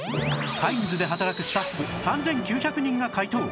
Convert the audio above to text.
カインズで働くスタッフ３９００人が回答！